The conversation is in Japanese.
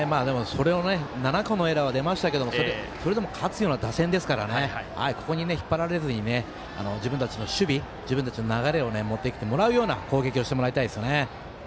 ７個のエラー出ましたがそれでも勝つような打線ですから引っ張られずに自分たちの守備自分たちの流れを持ってくるような攻撃をしてもらいたいですね。